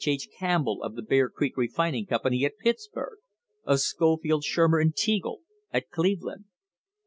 H. Campbell, of the Bear Creek Refining Company at Pittsburg; of Scofield, Shurmer and Teagle at Cleveland.